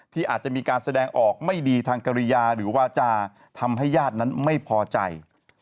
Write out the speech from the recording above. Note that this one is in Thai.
ที่อาจจะมีการแสดงออกไม่ดีทางกริยาหรือวาจาทำให้ญาตินั้นไม่พอใจ